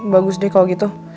bagus deh kalau gitu